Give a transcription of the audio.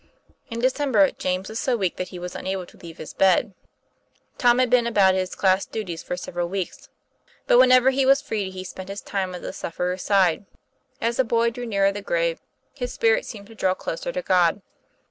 In December James was so weak that he was unable to leave his bed. Tom had been about his class duties for several weeks, but whenever he was free he spent his time at the sufferer's side. As the boy drew nearer the grave, his spirit seemed to draw closer to God.